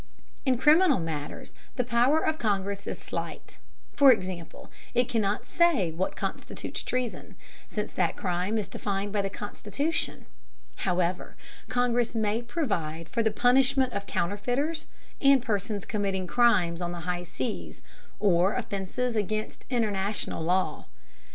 In criminal matters the power of Congress is slight. For example, it cannot say what constitutes treason, since that crime is defined by the Constitution. However, Congress may provide for the punishment of counterfeiters and persons committing crimes on the high seas or offences against international law.